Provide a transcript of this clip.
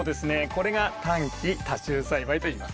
これが短期多収栽培といいます。